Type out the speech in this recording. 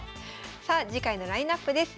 さあ次回のラインナップです。